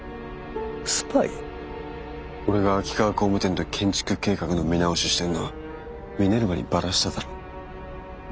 俺が秋川工務店と建築計画の見直ししてんのミネルヴァにバラしただろ？